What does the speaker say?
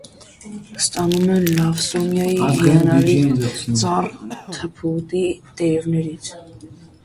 Ստանում են լավսոնիայի (հինայի ծառ) թփուտի տերևներից։